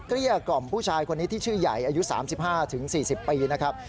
เกลี้ยกล่อมผู้ชายคนนี้ที่ชื่อใหญ่อายุ๓๕๔๐ปีนะครับ